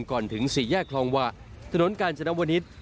ก่อนถึงสี่แยกคลองหวะถนนกาญจนวนิษฐ์